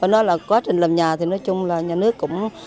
nói là quá trình làm nhà thì nói chung là nhà nước cũng